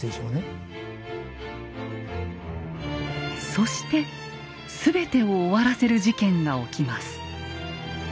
そして全てを終わらせる事件が起きます。